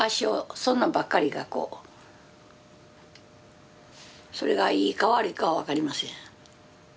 そんなんばっかりがこうそれがいいか悪いかは分かりません。